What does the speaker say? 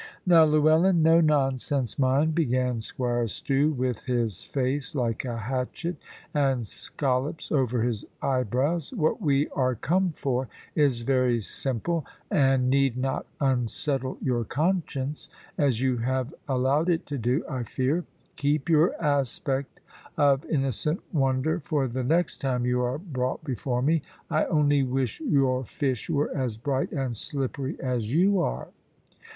"Now, Llewellyn, no nonsense, mind!" began Squire Stew, with his face like a hatchet, and scollops over his eyebrows: "what we are come for is very simple, and need not unsettle your conscience, as you have allowed it to do, I fear. Keep your aspect of innocent wonder for the next time you are brought before me. I only wish your fish were as bright and slippery as you are."